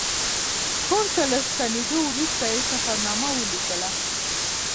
کور ته له ستنېدو وروسته یې سفرنامه ولیکله.